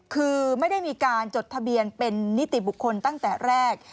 คือไม่ได้มีการจดทะเบียนเป็นนิติบุคคลตั้งแต่แรก